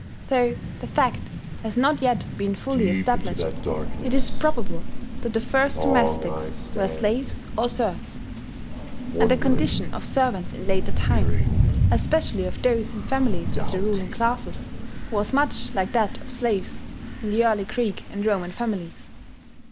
Though the fact has not yet been fully established, it is probable that the first domestics were slaves or serfs; and the condition of servants in later times, especially of those in families of the ruling classes, was much like that of slaves in the early Greek and Roman families.